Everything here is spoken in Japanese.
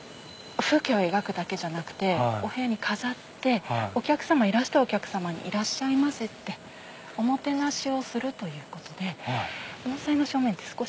風景を描くだけじゃなくてお部屋に飾っていらしたお客さまに「いらっしゃいませ」っておもてなしをするということで。